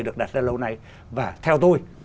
được đặt ra lâu nay và theo tôi